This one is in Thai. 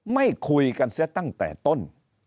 ไม่คุยกันเสียตั้งแต่ต้น